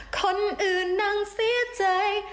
คนอื่นนั่งเสียใจ